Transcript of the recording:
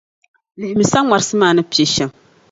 Lihimi saŋmarsi maa ni Piɛl' shɛm.